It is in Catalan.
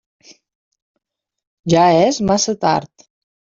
Ja és massa tard.